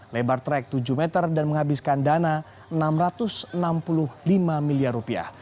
lebar trek tujuh meter dan menghabiskan dana rp enam ratus enam puluh lima miliar